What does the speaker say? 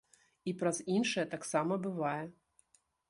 І праз іншыя таксама бывае.